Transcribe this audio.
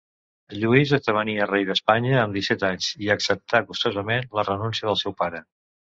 Lluís esdevenia rei d'Espanya amb disset anys, i acceptà gustosament la renúncia del seu pare.